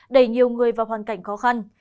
đẩy nhiều người vào hoàn cảnh khó khăn